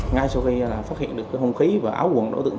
ngay sau khi phát hiện được hồng khí và áo quần đối tượng hai